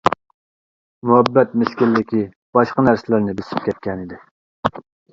مۇھەببەت مىسكىنلىكى باشقا نەرسىلەرنى بېسىپ كەتكەنىدى.